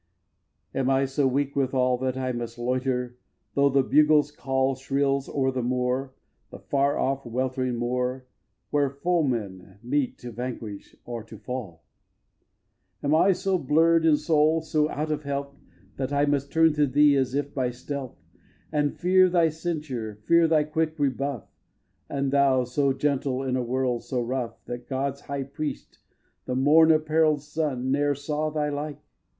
Am I so weak withal, That I must loiter, though the bugle's call Shrills o'er the moor, the far off weltering moor, Where foemen meet to vanquish or to fall? xvi. Am I so blurr'd in soul, so out of health, That I must turn to thee, as if by stealth, And fear thy censure, fear thy quick rebuff, And thou so gentle in a world so rough That God's high priest, the morn apparell'd sun Ne'er saw thy like!